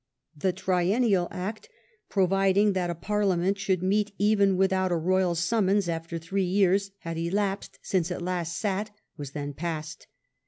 The " Triennial Act ", provid ing that a Parliament should meet even without a Royal summons, after three years had elapsed since it last sat, was then passed.